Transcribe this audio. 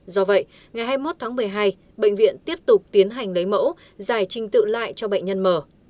do vậy ngày hai mươi một tháng một mươi hai bệnh viện tiếp tục tiến hành lấy mẫu giải trình tự lại cho bệnh nhân mở